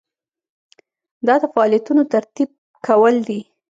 دا د فعالیتونو ترتیب کول دي.